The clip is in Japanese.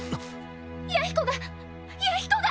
弥彦が弥彦が！